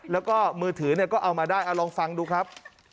แล้วก็มือถือก็เอามาได้เอาลองฟังดูครับ